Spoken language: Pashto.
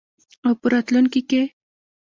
او په راتلونکي کې.